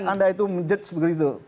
anda itu menjudge seperti itu